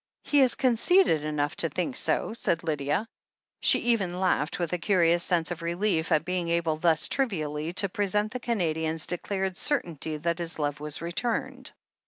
"He is conceited enough to think so," said Lydia. She even laughed, with a curious sense of relief at being able thus trivially to present the Canadian's de clared certainty that his love was returned.